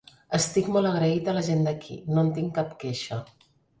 Estic molt agraït a la gent d’aquí, no en tinc cap queixa.